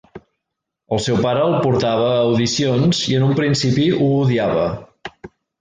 El seu pare el portava a audicions i en un principi ho odiava.